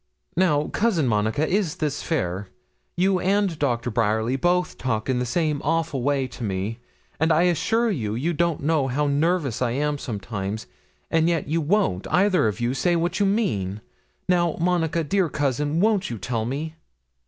'Now, Cousin Monica, is this fair? You and Doctor Bryerly both talk in the same awful way to me; and I assure you, you don't know how nervous I am sometimes, and yet you won't, either of you, say what you mean. Now, Monica, dear cousin, won't you tell me?'